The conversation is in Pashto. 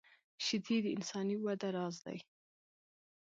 شیدې د انساني وده راز دي